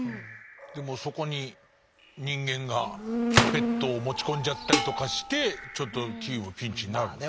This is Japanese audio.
でもそこに人間がペットを持ち込んじゃったりとかしてちょっとキーウィはピンチになるんだね。